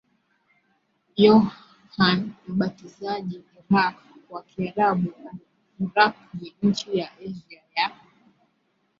Yohane Mbatizaji Iraq kwa Kiarabu alʿIrāq ni nchi ya Asia ya